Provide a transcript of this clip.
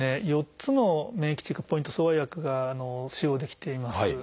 ４つの免疫チェックポイント阻害薬が使用できています。